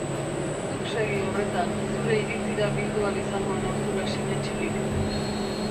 Zuk segi horretan, zure iritzira bildu ahal izango nauzula sinetsirik.